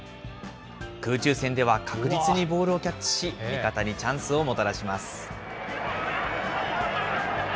空中戦では確実にボールをキャッチし、味方にチャンスをもたらします。